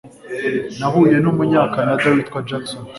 Nahuye numunyakanada witwa Jackson.